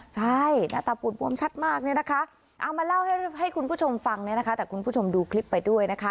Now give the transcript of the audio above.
ใช่หน้าตาปูดบวมชัดมากเอามาเล่าให้คุณผู้ชมฟังแต่คุณผู้ชมดูคลิปไปด้วย